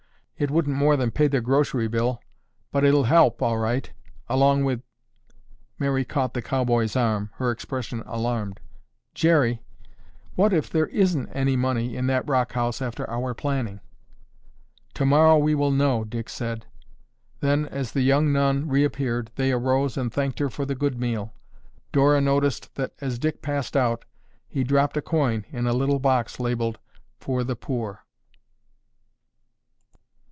It wouldn't more than pay their grocery bill but it'll help all right, along with—" Mary caught the cowboy's arm, her expression alarmed. "Jerry, what if there isn't any money in that rock house after our planning?" "Tomorrow we will know," Dick said. Then, as the young nun reappeared, they arose and thanked her for the good meal. Dora noticed that as Dick passed out he dropped a coin in a little box labeled, FOR THE POOR.